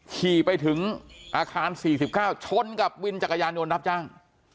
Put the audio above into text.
ขี่ไปถึงอาคารสี่สิบเก้าชนกับวินจักรยานยนต์รับจ้าง